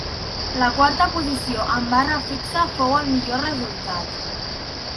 La quarta posició en barra fixa fou el millor resultat.